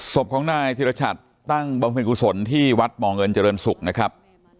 ศพของนายธิรชัดตั้งบำเพ็ญกุศลที่วัดบ่อเงินเจริญศุกร์นะครับ